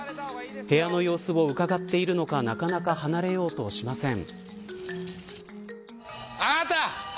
部屋の様子をうかがっているのかなかなか離れようとしません。